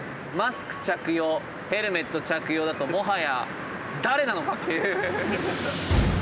マスク着用ヘルメット着用だともはや誰なのかっていう。